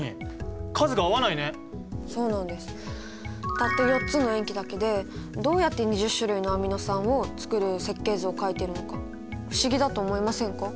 たった４つの塩基だけでどうやって２０種類のアミノ酸をつくる設計図を描いてるのか不思議だと思いませんか？